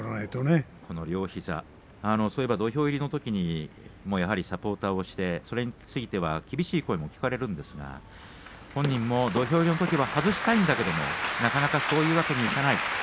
そういえば土俵入りのときにサポーターをしてそれについては厳しい声も聞かれるんですが本人も土俵入りのときは外したいんだけれどもなかなかそういうわけにはいかない。